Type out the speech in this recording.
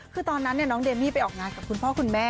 คือตอนนั้นน้องเดมี่ไปออกงานกับคุณพ่อคุณแม่